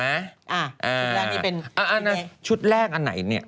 ชุดแรกนี่เป็นชุดแรกอันไหนเนี่ย